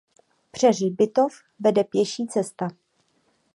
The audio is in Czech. Přes hřbitov vede pěší cesta.